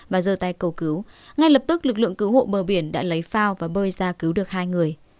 và giờ tay cầu cứu ngay lập tức lực lượng cứu hộ bờ biển đã lấy phao và bơi ra cứu được hai người